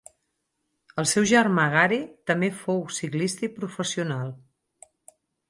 El seu germà Gary també fou ciclista professional.